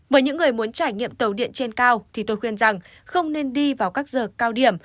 với những người muốn trải nghiệm tàu điện trên cao thì tôi khuyên rằng không nên đi vào các giờ cao điểm